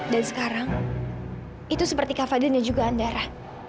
dan sekarang itu seperti kak fadil dan juga andara